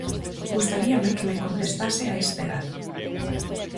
Gustaríame que me contestase a este dato.